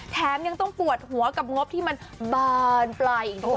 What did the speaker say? แถมยังต้องปวดหัวกับงบที่มันบานปลายอีกด้วย